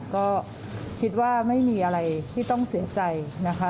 ก็คิดว่าไม่มีอะไรที่ต้องเสียใจนะคะ